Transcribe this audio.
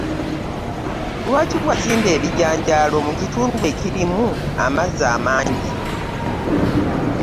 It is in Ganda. Lwaki wasimba ebijanjalo mu kitundu ekirimu amazzi amangi?